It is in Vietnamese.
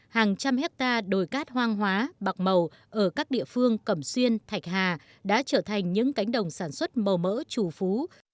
hàng trăm hectare đồi cát hoang hóa bạc màu ở các địa phương cẩm xuyên thạch hà đã trở thành những cánh đồng sản xuất màu mỡ chủ phú